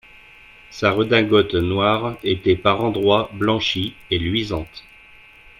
Sa redingote noire était par endroits blanchie et luisante.